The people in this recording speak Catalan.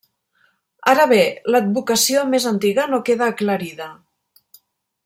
Ara bé, l'advocació més antiga no queda aclarida.